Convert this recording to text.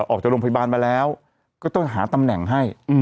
ออกจากโรงพยาบาลมาแล้วก็ต้องหาตำแหน่งให้